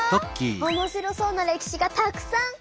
おもしろそうな歴史がたくさん！